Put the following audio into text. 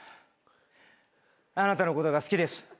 あなたのことが好きです。